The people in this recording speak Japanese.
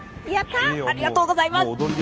ありがとうございます。